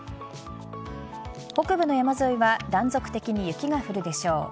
北部の山沿いは断続的に雪が降るでしょう。